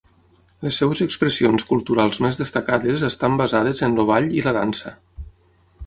Les seves expressions culturals més destacades estan basades en el ball i la dansa.